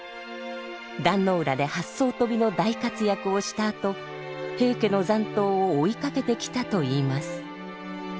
壇ノ浦で八艘飛びの大活躍をしたあと平家の残党を追いかけてきたといいます。